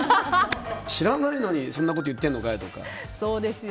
知らないのにそんなこと言ってんのかい！とか。